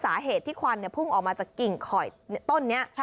สาเหตุที่ควันพุ่งออกมาจากกิ่งคอยต้นนี้